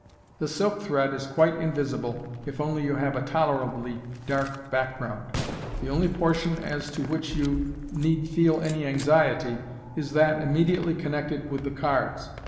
The silk thread is quite invisible, if only you have a tolerably dark background. The only portion as to which you ne< d feel any anxiety is that immediately connected with the cards.